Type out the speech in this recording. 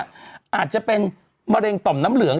อาจจะเป็นมะเร็งต่อมน้ำเหลือง